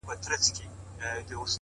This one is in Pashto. زموږ یووالی تر هر څه پیاوړی دی